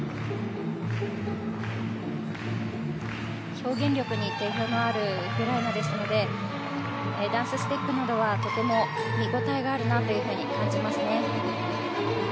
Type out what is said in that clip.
表現力に定評のあるウクライナですのでダンスステップなどはとても見応えがあるなと感じます。